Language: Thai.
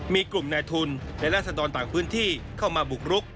มีกลุ่มนายทุนในล่างสันตอนต่างพื้นที่เข้ามาบุกลุก